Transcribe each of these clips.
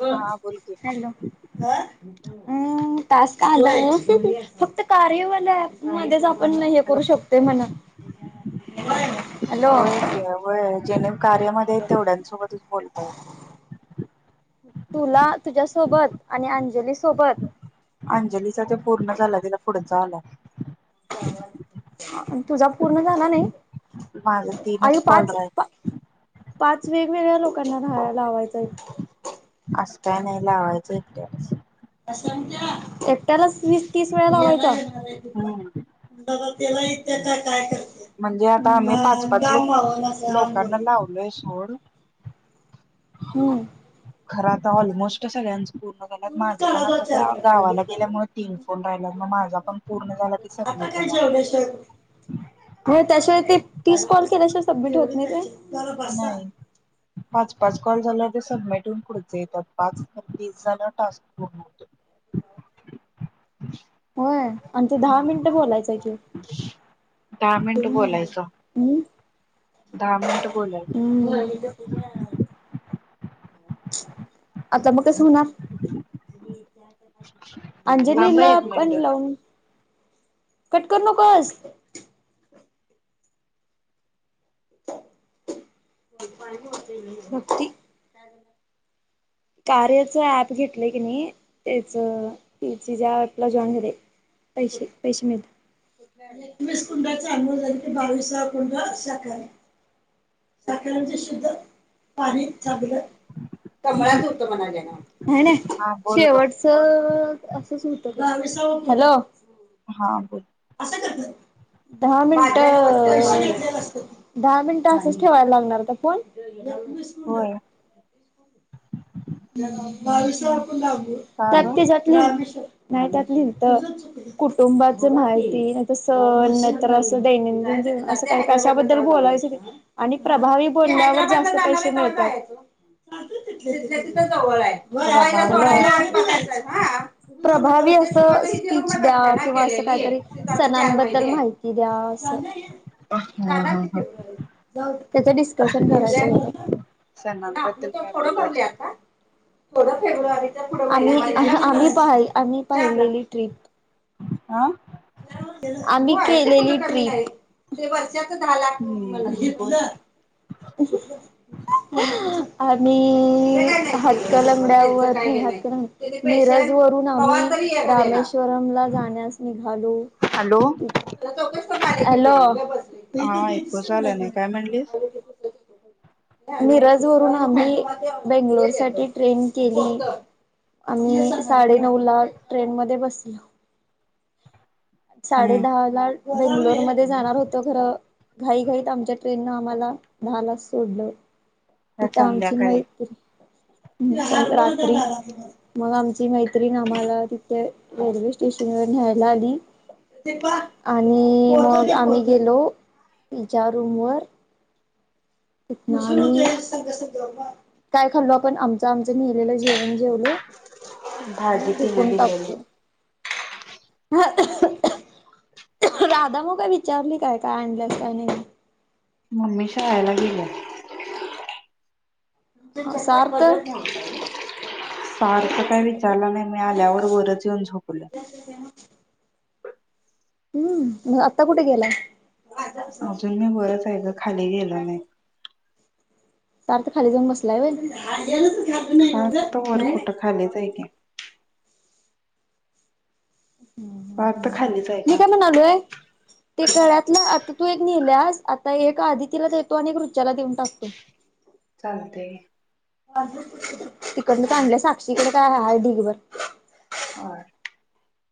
ल हा बोल की हॅलो अम् काास का आ फक्त कार्यवाला आहे मध्ये पण हे करू शकते म्हण हॅलो हो जेणे कार्यमध्ये तेवढ्यांसोबतच बोलतायेत तुला तुझ्यासोबत आणि अंजली सोबत अंजलीचा ते पूर्ण झाला तिला पुढंचा आला तुझा पूर्ण झाला नाही माझं आई तीनच कॉल पाच राहिलं पाच वेगवेगळ्या लोकांना राहायला लावायचंय असं काय नाही लावायचं इटस एकट्यालाच वीस तीस वेळा लावायचा. हम्म द त्यालाही त्याच्या काय करते म्हणजे आता आम्ही गा पाच पाच गाम लोक मावून असं आंबून लोकांना लावलोय सोड हम्म खर आता ऑलमोस्ट सगळ्यांच पूर्ण झालात माझे पण काढा आता चार गावाला बाटल्या गेल्यामुळे तीन फोन राहिलात मग माझा पण पूर्ण झाला की सग चनेश्वर हो त्याशिवाय ते तीस कॉल केल्याशिवाय सबमिट होत नाही का नाही पाच पाच कॉल झाला ते सबमिट होऊन पुढचे येतात पाच तीस जण टास्कत होय आणि ते दहा मिनिट बोलायचंय की हम्म दहा मिनिटं बोलायला म्म् आता मग कस होणार अंजली थांब हं ला एक पण मिनिट लावून कट करू नकोस भक्ती कार्याच ऍप घेतलंय की नाही त्याच ग्रुपला जॉईन होऊ दे पैसे पैसे मिळता एकवीस कुंडाचा अनमल झाली ते बावीसा कुंड साख साखरांच शुद्ध पाणी चांगलं कमळच होत म्हणाले नात नाही नाही हा बोल ग शेवटच असंच होत का हॅलो हां ब असं करत दहा मिनट दहा मिनटं असंच ठेवायला लागणार का फोन स होय का ग लाात जात नाहीतली तर [unintelligible] कुटुंबाच माहिती नाही तर सण नाहीतर असं दैनंदिनीव अस का कशाबद्दल बोलायचं आणि प्रभावी बोलण्यावर जास्त पैसे मिळतात‌ ति जवळ आहेला प्रभाविका असते प्रभावी असं स्पीच द्या किंवा अस काहीतरी सणांबद्दल माहिती द्या अस हा झाला हा ते हा फेब्रुवारी जा त्याच डिस्कशन कराय आपलं सणांबद्दल तर काय थोडं बोलायचं भरलेत होतं फ्रुवारीही आम्ही पा आम्ही पाहिलेली ट्रिप आह आम्ही केलेली ट्रीप झाला हम्म बोल आणि हातकलंगड्या वरती हाच रंग मिरज वरून आम्ही रामेश्ववरमला जाण्यास निघालो हॅलो हॅलो हा ऐकूच आला नाही काय [unintelligible] म्हणलीस मिरज वरून आम्ही बेंगलोर साठी ट्रेन केली आम्ही साडेनऊ ला ट्रेन मध्ये बसलो साडे हम्म दहा ला बेंगलोरमध्येध्ये जाणार होत खरं घाई घाईत आमच्या ट्रेननं आम्हाला दहालाच सोडलं. आज तिथ आमची संध्याकाळी मैत्री रात्री मग आमची मैत्रीण आम्हाला तिथे रेल्वे स्टेशन व न्यायला आली आणि मग आम्ही गेलो तिच्या रूम वर संग सबा काय खाल्लो आपण आमच आमचं नेहिलेलं जेवण जेवलो भाजी आणि तिनं झुकून दिलेली टाकलो राधा म काय विचारली काय काय आणल्यास काय नाही मम्मी शाळेला गेले सार तर. सारखं काय विचारला नाही मी आल्यावर वरच येऊन झोपलं. [inaudible] हम्म आता कुठे गेलाय. अजून मी वरच आहे खाली गेलो नाही तरार तर खाली जाऊ बसलाय. त वर कुठं खालीच आहे का. ह ह सार्थ ह खालीच आहे मी का काय म्हणालोय. ते गळ्यातलं आता तू एक नेल्यास आता एक आदिती ला देतो आणि एक रुचाला देऊन टाकतो. [unintelligible] चालतय! तिकडन काय आणल्या, साक्षीकडे काय हाय ढिगभर. ह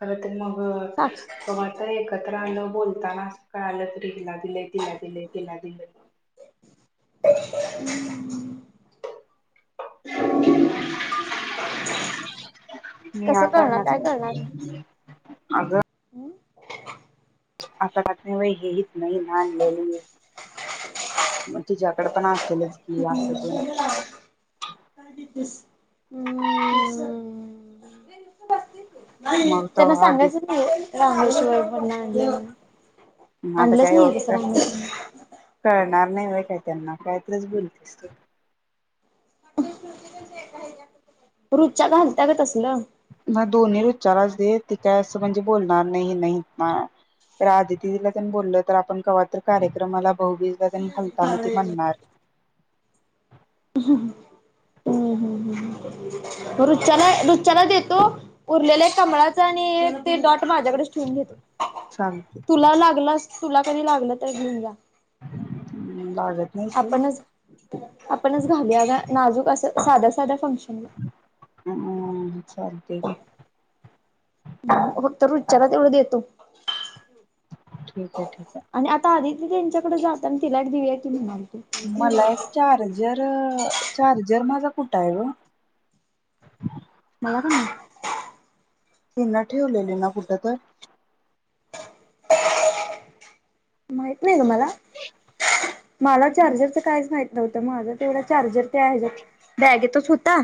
खर तर मग साक्षी कमा एकत्र आलं बोलताना कळालं तर तिला दिले तिला दिले तिला दिले. हम्म्म्म [inaudible] मी कसं कळणार आकारणाच काय कळणार अग हम्म. आता घात नाही बाई ही हितन हिन आणलेली मग तिच्याकड पण असेलच की असं तेन [inaudible] हम्म. मग त्यांना तवा सांगायचं आधीच नाही होय रामेश्वर मधन आणलेली मग आता आणलंच काय नाहीय तस काय रामेश्वर कळणार नाही होय काय त्यांना कायतरच बोलतीस तू रुच्या घालत्या ग तसलं. मग दोन्ही विचारलतीत ती काय असं म्हणजे बोलणार नाही हिन हिथन खरं आदितिला बोलल तर आपण कवा तर कार्यक्रमाला भाऊबीजला तेन घालताना ती म्हणणार हम्म हम्म हम्म रुच्याला रुच्याला देतो उरलेलं एक कमळाच आणि ते डॉट माझ्याकडेचं ठेऊन घेतो चालतंय तुला लागल तुला कधी लागलं तर घेऊन जा हम् वाजत नाही सोड. आपणच आपणच घालूया काय नाजूक असं साध साध्या फंक्शनला. हम्म चालतंय की फक्त रुचाला तेवढं देतो ठीक हाय ठीक हाय आणि आता आदिती त्यांच्याकडे जाताना तिला एक देऊया की म्हणालती मला एक चार्जर चार्जर माझा कुठं हाय गं? मला काय माहित? तीनं ठेवलेली ना कुठं तर? माहित नाही गं मला मला चार्जरच कायच माहित नव्हतं माझा तेवढा चार्जर त्या हेच्यात बॅगेतंच हुता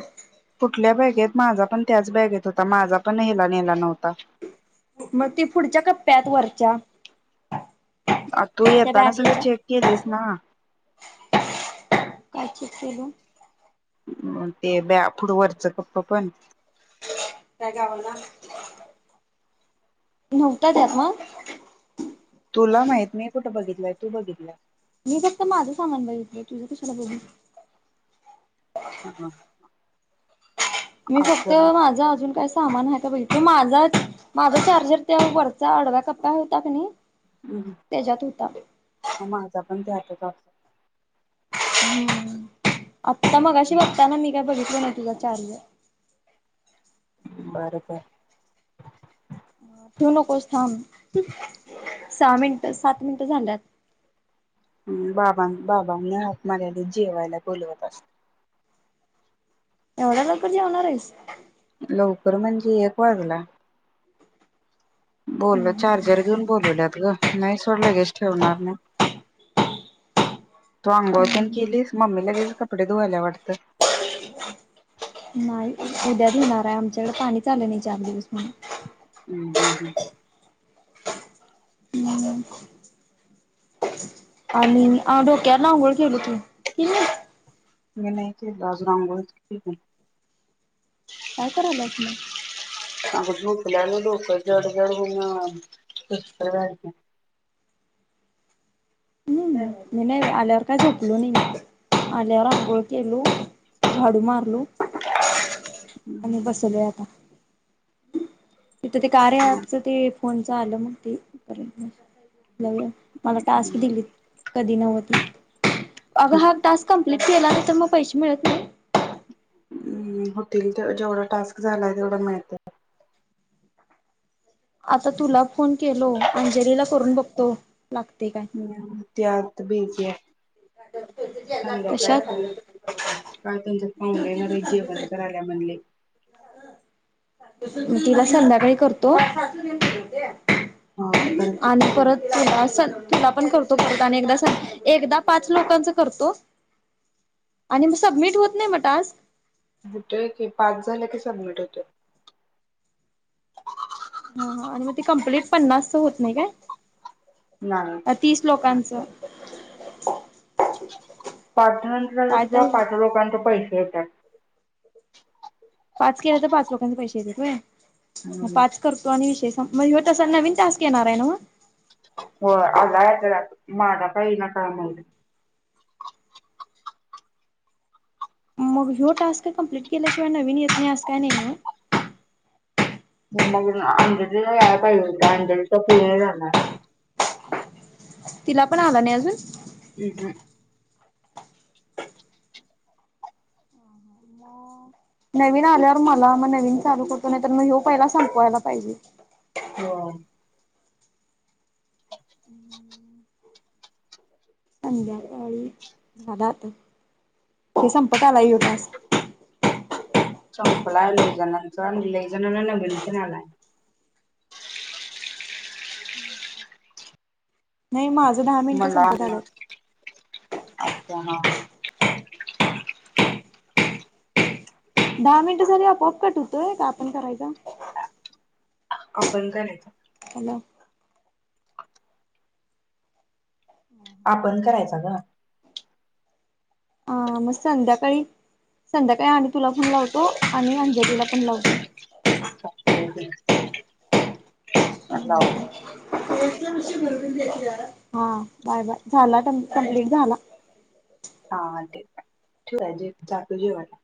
कुठल्या बॅगेत माझा पण त्याच बॅगेत हूता माझा पण हेला नेला नव्हता मग ते पुढच्या कप्प्यात वरच्या तू त्या येताना सगळे बॅगेच्या चेक केलीस ना. काय चेक केलो ते ब्या पुढ वरचं कप्प पण. काय गावला नव्हता त्यात मग. तुला माहित मी कुठं बघितलंय तू बघितल्यास मी फक्त माझं सामाण बघितलं तुझं कशाला बघू ह. मी फक्त माझं अजून काय. सामान ह का बहि माझा माझा चार्जर त्या वरचा अडव्या कप्पा होता क नाही. त्याच्यात होता. माझा पण ते हातचत. हम्म आता मगाशी बघताना मी काय बघितलं नाही तुझा चार्ज. बर का ठेव नकोस थांब सहा मिनिटं सात मिनिटं झाल्यात. बाबां बाबांनी हात मार्याला जेवायला बोलवत असत एवढ्या लोक जेवणार आहेस. लवकर म्हणजे एक वर्गला. बोल चार्जर घेऊन बोलवल्यात ग नाही सोड लगेच ठेवणार नाही. तो अंंगवनी केलीस म्मी लगेच कपडे धुवायला वाटतं. नाही उद्यात येेणार आहे आमच्याकडे पाणी चालं नाही चार दिवस म्हण. हम् हम् हम्. हम्. आणि डोक्यावर ना अंघोळ केेल तू कि. मी नाही केलो अजून अंगोळ केली काय करायलायस म. अग झोकल्यालं लोक जड जडून. आल्याववर का चकलु न आल्यावर आळेु - झाडू मारलो आणि हम्म बसल आता तिथं ते कार आहे आपच ते फोनच आलं मग तेपर्यंत मला टास्क दिली. कधी नव्हती अग हा टास्क कंप्लीट केला तर मग पैसे मिळत नाही. हम् होतील जेवढा टास्क झाला तेवढा मिळत. आता तुला फोन केलो अंजलीला करून बघतो लागते काय. त्यात बीज काय कशात कर. काय त्यांच फाउंडेणारे जेवण करायला म्हणले. म तिला संध्याकाळी करतो हा करते आणि परत तुला स तुला पण करतो परत आणि एकदा सदा. पाच लोकांचा करतो आणि मग सबमिट होत नाही म्ह आज. होतय की पाच झाले की सबमिट होत. ह ह आणि मग ते कंप्लीट पन्नास होत नाही नाही काय तीस. लोकांचं. पाच नंतर आ क काय किंवा तर पाच लोकांचे पैसे येतात. पाच केले तर पाच लोकांचे पैसे येतेय हम्म पाच. करतो आणि विषेषजे हो तसा नवीन टॅक्स येणार आहे ना मग हो आला माझा काही ना काय माहि. मग हो टास्क कम्प्लीट केल्याशिवाय नवीन येत नाही आहे काय नाही. मग अंधरीला याला पाहिजे होत अंजेरीचा पूर्ण झाणार. तिला पण आला नाही अजून हम् हम् नवीन आल्यावर मला मग नवीन चालू करतो नाही तर मी हे पहिला संपवायला पाहिजे हो संध्याकाळी झाला आता ते संपत आला यगास. संपलाय लहिजणांचा आणि ललेजणना नवीनकन आलाय हम् नाही माझ मला अच्छा ह ह दहा मिनिट सा आपआप कट होतोय का आपण करायचा आपण का नाहीेत हला हम आपण करायचा ग ह मग संध्याकाळी संध्याकाळी आणि तुला पण लावतो आणि अंजलीला पण लावतो हो हला हा बाय बाय झाला कंप्लीट झाला हा तेू आहे जे ातू जेवाट